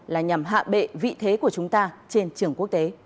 là nhằm hạ bệ vị thế của chúng ta trên trường quốc tế